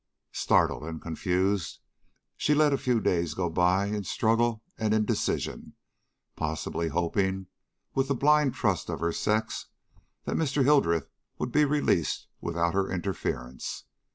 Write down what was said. "Startled and confounded she let a few days go by in struggle and indecision, possibly hoping, with the blind trust of her sex, that Mr. Hildreth would be released without her interference.